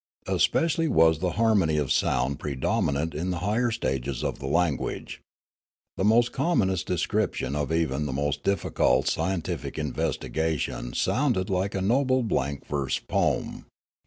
Especially was the harmony of sound predominant in the higher stages of the language. The commonest description of even the most difficult scientific investi gation sounded like a noble blank verse poem.